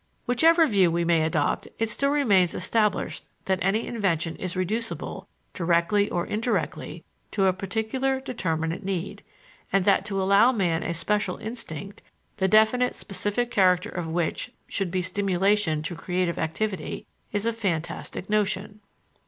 Whichever view we may adopt, it still remains established that any invention is reducible, directly or indirectly, to a particular, determinate need, and that to allow man a special instinct, the definite specific character of which should be stimulation to creative activity, is a fantastic notion.